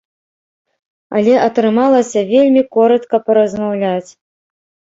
Але атрымалася вельмі коратка паразмаўляць.